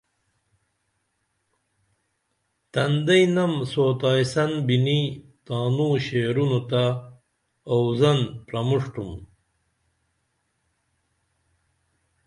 تندئینم سوتائیسن بِنی تاںوں شعرونہ تہ اوزان پرمُݜٹُم